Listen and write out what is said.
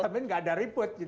saya jamin enggak ada ribut gitu